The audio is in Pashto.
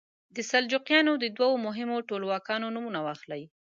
د سلجوقیانو د دوو مهمو ټولواکانو نومونه واخلئ.